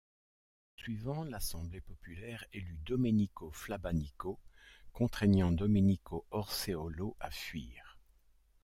Le jour suivant, l'assemblée populaire élut Domenico Flabanico contraignant Domenico Orseolo à fuir.